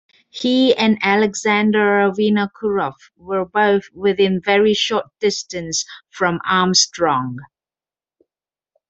He and Alexander Vinokourov were both within very short distance from Armstrong.